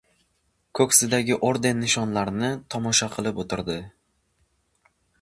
Ko‘ksidagi orden-nishonlarni tomosha qilib o‘tirdi.